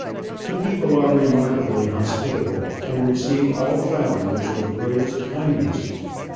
The people are remarkably hospitable, and receive all travellers with the greatest kindness.